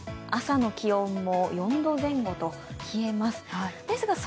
朝の気温も４度前後と冷えます。